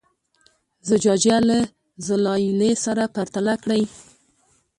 زجاجیه له زلالیې سره پرتله کړئ.